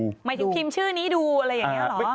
หมายถึงพิมพ์ชื่อนี้ดูอะไรอย่างนี้เหรอ